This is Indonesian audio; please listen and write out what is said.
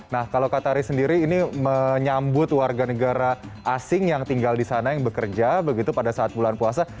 nah kalau katari sendiri ini menyambut warga negara asing yang tinggal di sana yang bekerja begitu pada saat bulan puasa